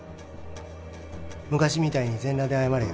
昔みたいに全裸で謝れよ。